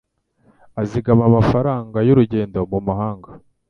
Azigama amafaranga y'urugendo mu mahanga.